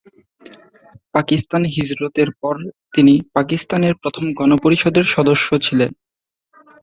পাকিস্তানে হিজরতের পরে তিনি পাকিস্তানের প্রথম গণপরিষদের সদস্য ছিলেন।